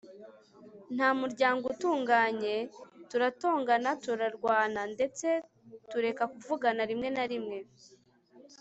nta muryango utunganye turatongana, turarwana. ndetse tureka kuvugana rimwe na rimwe